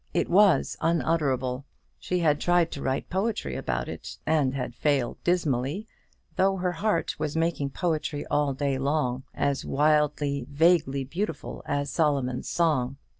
It was unutterable! She had tried to write poetry about it, and had failed dismally, though her heart was making poetry all day long, as wildly, vaguely beautiful as Solomon's Song.